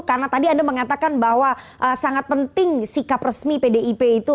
karena tadi anda mengatakan bahwa sangat penting sikap resmi pdip itu